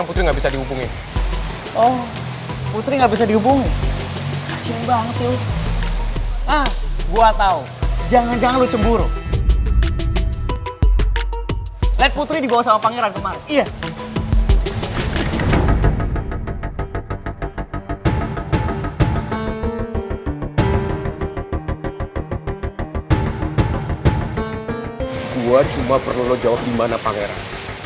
gue cuma perlu lo jawab di mana pangeran